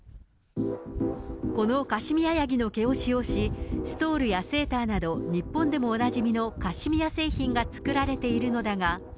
このカシミヤヤギの毛を使用し、ストールやセーターなど、日本でもおなじみのカシミヤ製品が作られているのだが。